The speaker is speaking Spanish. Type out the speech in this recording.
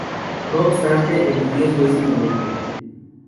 No obstante, el riesgo es inminente.